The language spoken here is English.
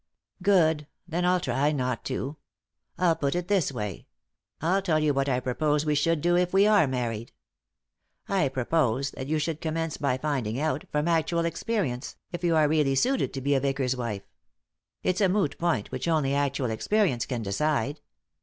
"Good. Then I'll try not to. I'll put it this way— I'll tell you what I propose we should do if we are married. I propose that you should commence by finding out, from actual experience, if you are really suited to be a vicar's ■wife ; it's a moot point, which only actual experience can decide.